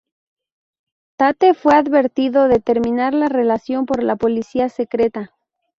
Tate fue advertido de terminar la relación por la policía secreta.